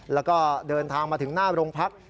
แล้วก็เดินทางมาถึงหน้าโรงพัก